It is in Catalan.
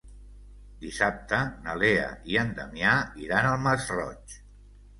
Dissabte na Lea i en Damià iran al Masroig.